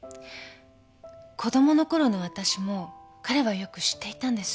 子供のころのわたしも彼はよく知っていたんです。